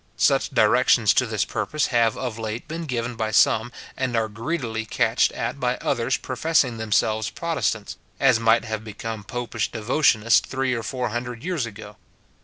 Such directions to this purpose have of late been given by some, and are greedily catched at by others professing themselves Protestants, as might have become popish devotionists three or four hundred years ago.